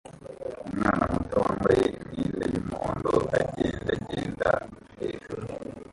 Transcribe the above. Umwana muto wambaye imyenda yumuhondo agendagenda hejuru